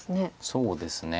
そうですね。